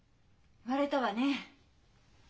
割れたわね。